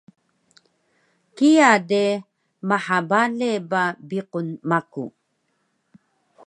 kiya de maha bale ba biqun maku